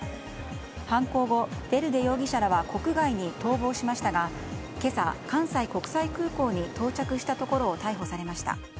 犯行後、ヴェルデ容疑者らは国外に逃亡しましたが今朝、関西国際空港に到着したところを逮捕されました。